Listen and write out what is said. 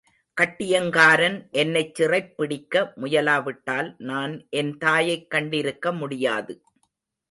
கட்டியங்காரன் என்னைச் சிறைப் பிடிக்க முயலாவிட்டால் நான் என் தாயைக் கண்டிருக்க முடியாது.